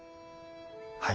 はい。